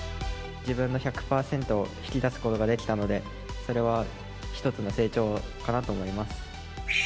自分の１００％を引き出すことができたので、それは一つの成長かなと思います。